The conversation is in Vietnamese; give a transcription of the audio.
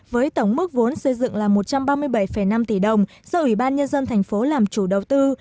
với tổng mức vốn xây dựng là một trăm ba mươi bảy năm tỷ đồng do ủy ban nhân dân thành phố làm chủ đầu tư